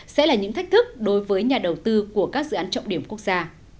sẽ là những thách thức đối với nhà đầu tư của các dự án trọng điểm quốc gia